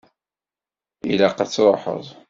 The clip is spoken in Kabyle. Ilaq ad truḥeḍ.